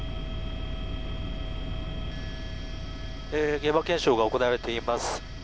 現場検証が行われています。